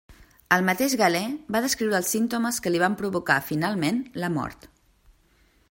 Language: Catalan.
El mateix Galè va descriure els símptomes que li van provocar finalment la mort.